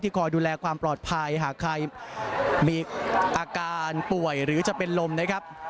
คอยดูแลความปลอดภัยหากใครมีอาการป่วยหรือจะเป็นลมนะครับ